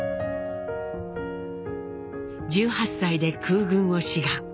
１８歳で空軍を志願。